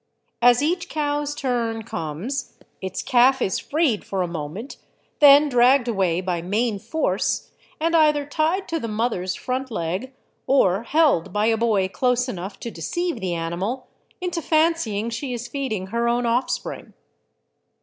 As each cow's turn comes, its calf is freed for a moment, then dragged away by main force, and either tied to the mother's front leg, or held by a boy close enough to deceive the animal into fancying she is feeding her own offspring.